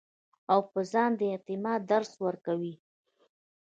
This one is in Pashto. او پۀ ځان د اعتماد درس ورکوي -